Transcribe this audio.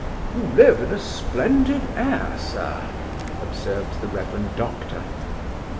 "You live in a splendid air, sir," observed the Rev. Doctor.